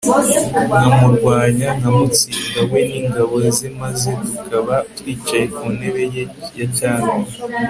nkamurwanya nkamutsinda we n'ingabo ze maze tukaba twicaye ku ntebe ye ya cyami